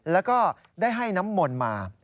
แล้วก็ได้ให้น้ำมนต์มา